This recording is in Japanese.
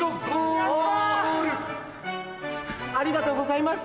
ありがとうございます。